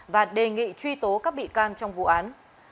và đề nghị truy tố các bị can trong vụ án